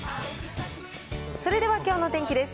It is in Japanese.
それではきょうの天気です。